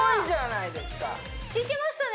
いけましたね！